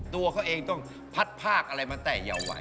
ตัวเขาเองต้องพัดภาคอะไรมาแต่อย่าไหว